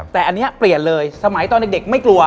แต่อันนี้เปลี่ยนเลยสมัยตอนเด็กไม่กลัว